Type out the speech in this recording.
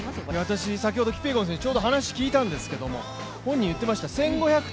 私、先ほどキピエゴン選手にちょうど話を聞いたんですけど本人言ってました１５００